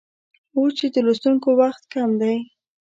اوس چې د لوستونکو وخت کم دی